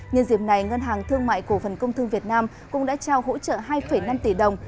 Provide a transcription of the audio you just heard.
nhân dịp này ngân hàng thương mại cổ phần công thương việt nam cũng đã trao hỗ trợ hai năm tỷ đồng